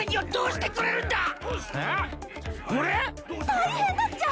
大変だっちゃ！